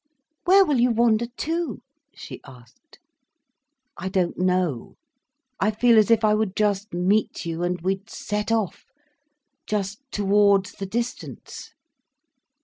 "Where will you wander to?" she asked. "I don't know. I feel as if I would just meet you and we'd set off—just towards the distance."